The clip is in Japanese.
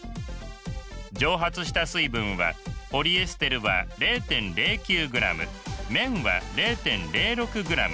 蒸発した水分はポリエステルは０．０９ｇ綿は０．０６ｇ。